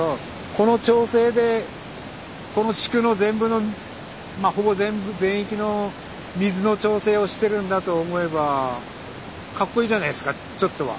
この調整でこの地区の全部のまあほぼ全部全域の水の調整をしてるんだと思えばかっこいいじゃないですかちょっとは。